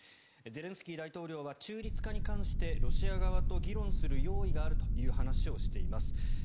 ゼレンスキー大統領は中立化に関してロシア側と議論する用意があるという話をしています。